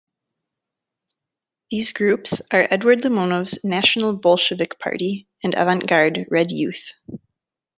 These groups are Eduard Limonov's National Bolshevik Party and Avant Garde Red Youth.